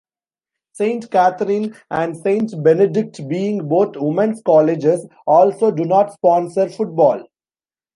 Saint Catherine and Saint Benedict, being both women's colleges, also do not sponsor football.